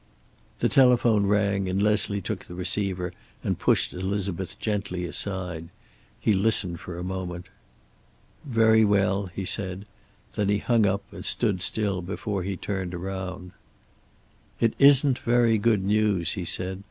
The telephone rang and Leslie took the receiver and pushed Elizabeth gently aside. He listened for a moment. "Very well," he said. Then he hung up and stood still before he turned around: "It isn't very good news," he said.